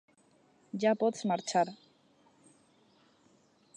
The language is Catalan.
Ja pots marxar.